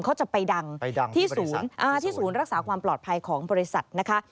เขาจะไปดังที่ศูนย์รักษาความปลอดภัยของบริษัทนะคะ